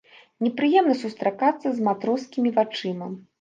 Непрыемна сустракацца з матроскімі вачыма.